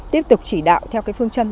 tiếp tục chỉ đạo theo cái phương châm